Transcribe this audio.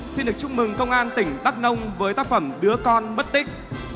xin được chúc mừng công an tỉnh đắk nông với tác phẩm đứa con mất tích